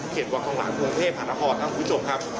เขตวางทางหลังเมืองเภพฮานาฮอล์ท่านคุณผู้ชมครับ